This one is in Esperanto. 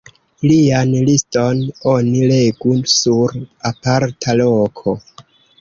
Ilian liston oni legu sur aparta loko.